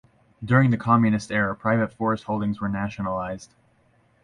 During the communist era private forest holdings were nationalized.